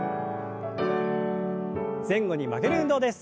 前後に曲げる運動です。